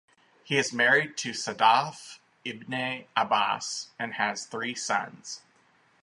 He is married to Sadaf Ibne Abbas and has three sons.